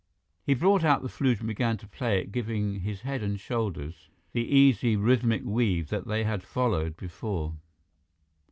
He brought out the flute and began to play it, giving his head and shoulders the easy, rhythmic weave that they had followed before.